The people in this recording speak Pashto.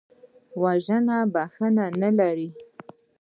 وژنه بښنه نه لري